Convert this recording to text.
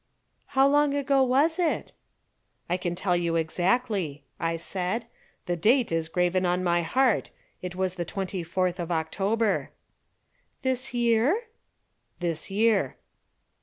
"How long ago was it?" "I can tell you exactly," I said. "The date is graven on my heart. It was the twenty fourth of October." "This year?" "This year."